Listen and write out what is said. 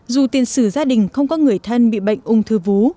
dù tiền sử gia đình không có người thân bị bệnh ung thư vú